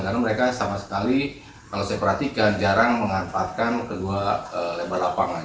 karena mereka sama sekali kalau saya perhatikan jarang menganfatkan kedua lebar lapangan